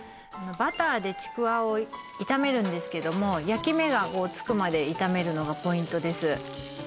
バターでちくわを炒めるんですけども焼き目がつくまで炒めるのがポイントです